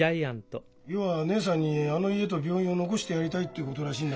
要は義姉さんにあの家と病院を残してやりたいってことらしいんだけどさ。